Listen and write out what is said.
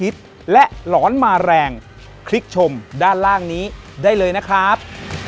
สวัสดีครับ